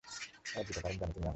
তারা ভীত কারন জানে তুমি আলাদা।